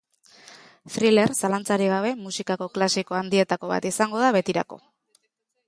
Thriller, zalantzarik gabe, musikako klasiko handietako bat izango da betirako.